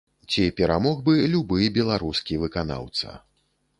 Ці перамог бы любы беларускі выканаўца.